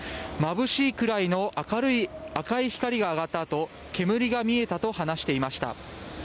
まぶしいくらいの赤い光が上がったあと煙が見えたと話していました。